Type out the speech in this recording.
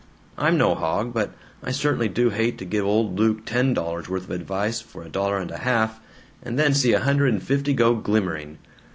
I'm no hog, but I certainly do hate to give old Luke ten dollars' worth of advice for a dollar and a half, and then see a hundred and fifty go glimmering.